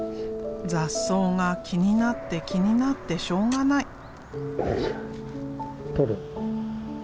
雑草が気になって気になってしょうがない。